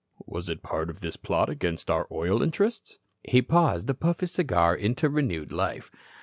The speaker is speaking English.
Was it part of this plot against our oil interests?" He paused to puff his cigar into renewed life.